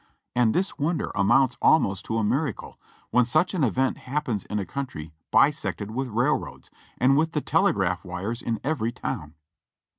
And this wonder amounts almost to a miracle when such an event happens in a country bisected with railroads, and with the tele graph wires in every town.